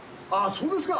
そうですか。